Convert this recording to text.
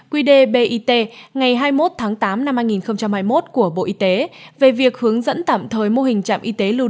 quy đề bit ngày hai mươi một tháng tám năm hai nghìn hai mươi một của bộ y tế về việc hướng dẫn tạm thời mô hình trạm y tế lưu